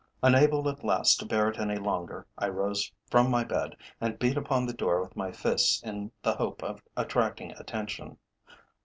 Unable at last to bear it any longer, I rose from my bed, and beat upon the door with my fists in the hope of attracting attention.